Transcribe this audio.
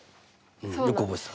うんよく覚えてた。